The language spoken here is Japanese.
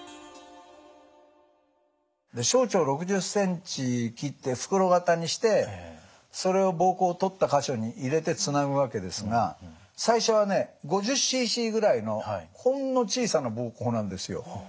小腸６０ｃｍ切って袋型にしてそれを膀胱を取った箇所に入れてつなぐわけですが最初はね５０ｃｃぐらいのほんの小さな膀胱なんですよ。